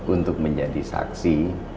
untuk menjadi saksi